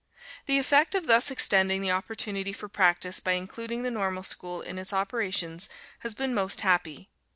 The effect of thus extending the opportunity for practice by including the Normal School in its operations has been most happy.